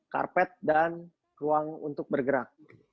karpet dan ruang untuk bergerak